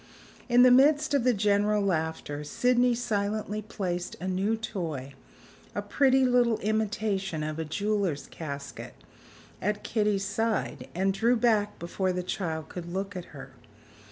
In the midst of the general laughter, Sydney silently placed a new toy (a pretty little imitation of a jeweler's casket) at Kitty's side, and drew back before the child could look at her.